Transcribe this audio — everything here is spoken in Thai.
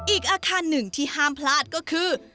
อีกอาคารหนึ่งที่ห้ามพลาดก็คือ